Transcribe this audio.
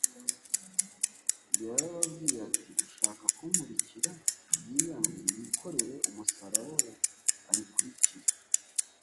yarababwiye ati: " Ushaka kunkurikira yiyange yikorere umusaraba we arikurikire."